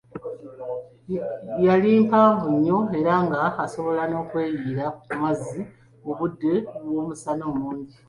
Yali mpanvu nnyo era nga asobola n'okweyiira ku mazzi mu budde obw'omusana omungi.